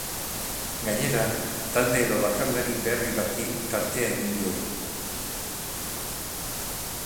Gainera, talde edo bakarlari berri bati tartea egingo diogu.